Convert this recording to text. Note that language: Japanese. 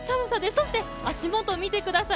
そして、足元見てください